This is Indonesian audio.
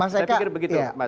saya pikir begitu